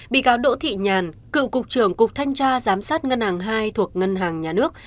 bị cáo đỗ thị nhàn cựu cục trưởng cục thanh tra giám sát ngân hàng hai thuộc ngân hàng nhà nước